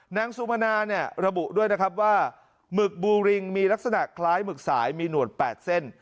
นางสุมนาเนี่ยระบุด้วยนะครับว่าหมึกบูริงมีลักษณะคล้ายหมึกสายมีหนวด๘เส้น